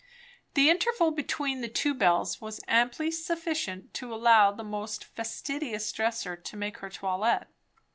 The interval between the two bells was amply sufficient to allow the most fastidious dresser to make her toilette.